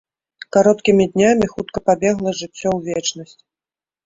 Кароткімі днямі хутка пабегла жыццё ў вечнасць.